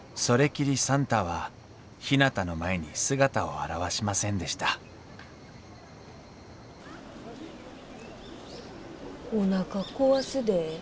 それきりサンタはひなたの前に姿を現しませんでしたおなか壊すで。